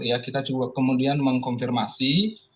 ya kita coba kemudian mengkonfirmasi